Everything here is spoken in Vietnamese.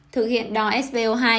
thực hiện đo spo hai